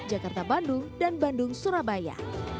jakarta bandung dan bandung surabaya